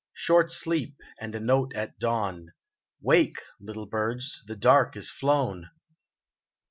Short sleep, and a note at dawn :" Wake, little birds, the dark is flown